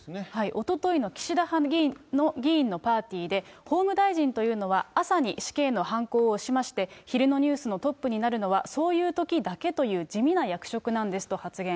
おとといの岸田派議員のパーティーで、法務大臣というのは、朝に死刑のはんこを押しまして、昼のニュースのトップになるのはそういうときだけという地味な役職なんですと発言。